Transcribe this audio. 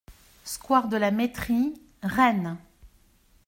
Square de la Mettrie, Rennes